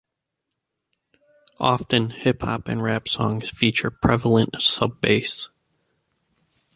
Often, hip hop and rap songs feature prevalent sub-bass.